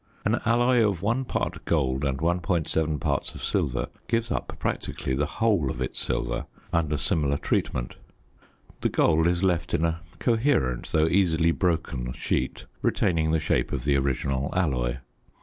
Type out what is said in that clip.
An alloy of 1 part gold and 1.7 parts of silver gives up practically the whole of its silver under similar treatment. The gold is left in a coherent, though easily broken, sheet retaining the shape of the original alloy.